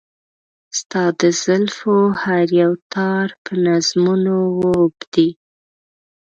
ستا د زلفو هر يو تار په نظمونو و اوبدي .